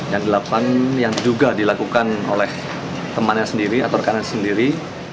yang delapan yang juga dilakukan oleh temannya sendiri atau rekannya sendiri